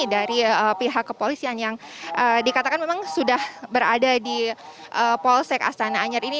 dari pihak kepolisian yang dikatakan memang sudah berada di polsek astana anyar ini